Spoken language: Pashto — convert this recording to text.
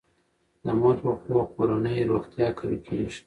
د مور په پوهه کورنی روغتیا قوي کیږي.